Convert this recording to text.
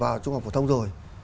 phải vào trung học phổ thông rồi